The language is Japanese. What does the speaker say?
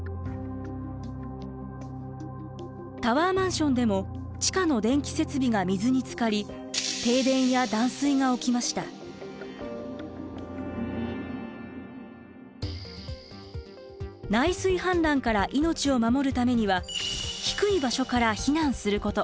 タワーマンションでも地下の電気設備が水につかり内水氾濫から命を守るためには低い場所から避難すること。